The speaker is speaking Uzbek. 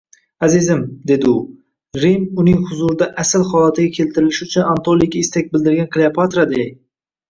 Azizim, dedi u, Rim uning huzuriga asl holatida keltirilishi uchun Antoniyga istak bildirgan Kleopatraday